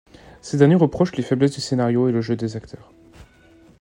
Ces derniers reprochent les faiblesses du scénario et le jeu des acteurs.